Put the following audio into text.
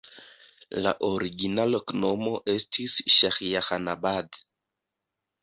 La origina loknomo estis Ŝahjahanabad.